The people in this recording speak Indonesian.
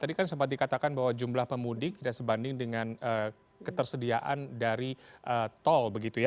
tadi kan sempat dikatakan bahwa jumlah pemudik tidak sebanding dengan ketersediaan dari tol begitu ya